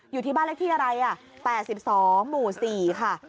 อยู่ที่บ้านเลือกที่อะไรแปกสิบสองหมู่สี่ค่ะ